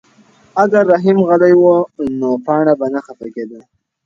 اگر رحیم غلی وای نو پاڼه به نه خفه کېده.